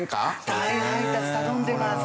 再配達頼んでいます。